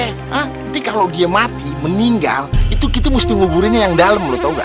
nanti kalau dia mati meninggal itu kita mesti nguburinnya yang dalem lu tau gak